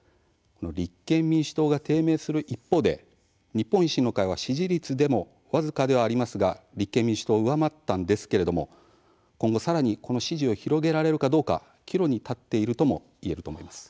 立憲民主党が低迷する一方で日本維新の会は支持率でも僅かではありますが立憲民主党を上回ったんですけれども今後さらにこの支持を広げられるどうか岐路に立っているともいえると思います。